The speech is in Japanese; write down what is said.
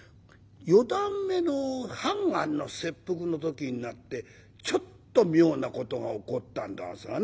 四段目の判官の切腹の時になってちょっと妙な事が起こったんですがね。